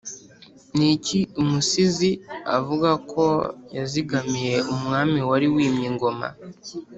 ni iki umusizi avuga ko yazigamiye umwami wari wimye ingoma’